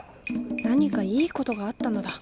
何かいいことがあったのだ。